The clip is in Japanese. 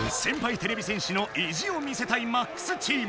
てれび戦士の意地を見せたい「ＭＡＸ」チーム。